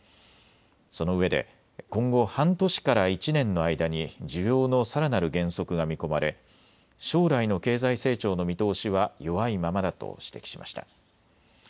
そのうえで今後、半年から１年の間に需要のさらなる減速が見込まれ将来の経済成長の見通しは弱いままだと指摘しました。